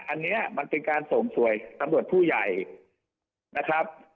อันนี้มันเป็นการส่งสวยตำรวจผู้ใหญ่นะครับ